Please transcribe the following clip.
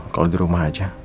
kalo di rumah aja